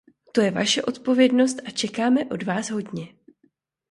To je vaše odpovědnost a čekáme od vás hodně.